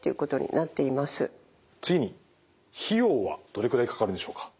次に費用はどれくらいかかるんでしょうか？